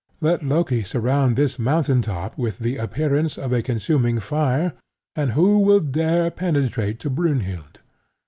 Let Loki surround this mountain top with the appearance of a consuming fire; and who will dare penetrate to Brynhild?